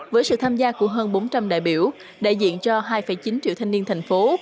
với sự tham gia của hơn bốn trăm linh đại biểu đại diện cho hai chín triệu thanh niên thành phố